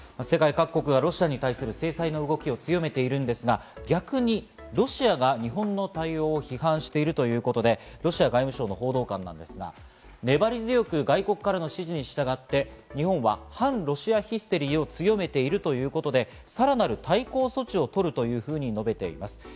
世界各国がロシアに対する制裁の動きを強めているんですが、逆にロシアが日本の対応を批判しているということで、ロシア外務省の報道官なんですが、ねばり強く外国からの指示に従って、日本は反ロシアヒステリーを強めているということで、さらなる対抗措置を取るというふうに述べています。